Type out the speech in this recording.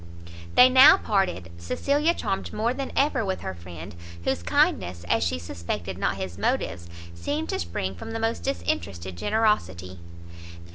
They now parted, Cecilia charmed more than ever with her friend, whose kindness, as she suspected not his motives, seemed to spring from the most disinterested generosity.